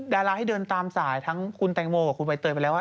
ดาราให้เดินตามสายทั้งคุณแตงโมกับคุณใบเตยไปแล้วว่า